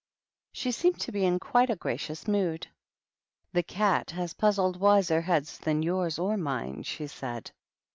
She seemed to be in quite a gra cious mood. " That cat has puzzled wiser heads than yours or mine," she said.